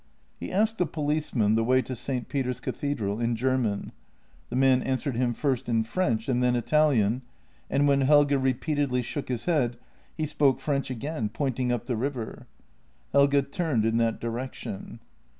He asked a policeman the way to St. Peter's cathedral in German; the man answered him first in French and then Italian, and when Helge repeatedly shook his head, he spoke French again, pointing up the river. Helge turned in that direction.